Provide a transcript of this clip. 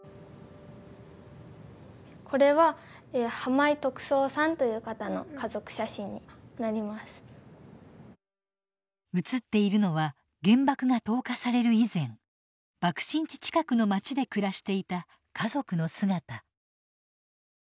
これは写っているのは原爆が投下される以前爆心地近くの町で暮らしていた家族の姿。